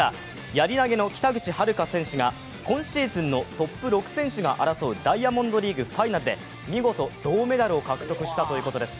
やり投の北口榛花選手が今シーズンのトップ選手が集うダイヤモンドリーグファイナルで見事銅メダルを獲得したということです。